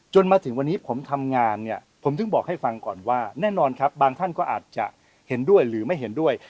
มาถึงวันนี้ผมทำงานเนี่ยผมถึงบอกให้ฟังก่อนว่าแน่นอนครับบางท่านก็อาจจะเห็นด้วยหรือไม่เห็นด้วย